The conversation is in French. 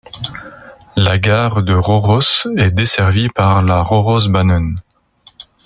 La gare de Røros est desservie par la Rørosbanen.